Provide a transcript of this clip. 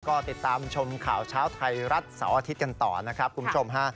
ก็ติดตามชมข่าวเช้าไทยรัฐเสาร์อาทิตย์กันต่อนะครับคุณผู้ชมฮะ